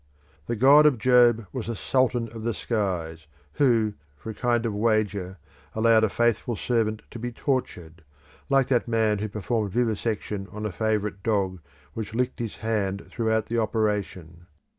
The God of Job was a sultan of the skies, who, for a kind of wager, allowed a faithful servant to be tortured, like that man who performed vivisection on a favourite dog which licked his hand throughout the operation.